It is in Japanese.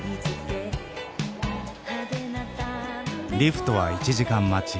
リフトは１時間待ち。